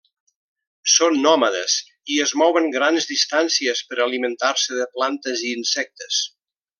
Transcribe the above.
Són nòmades i es mouen grans distàncies per alimentar-se de plantes i insectes.